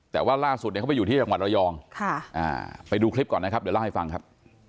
แต่ว่าล่าสุดเนี่ยเขาไปอยู่ที่จังหวัดระยองไปดูคลิปก่อนนะครับเดี๋ยวเล่าให้ฟังครับ